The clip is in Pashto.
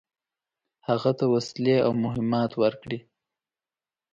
هغه ته وسلې او مهمات ورکړي.